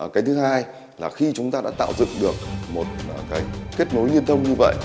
cái thứ hai là khi chúng ta đã tạo dựng được một cái kết nối liên thông như vậy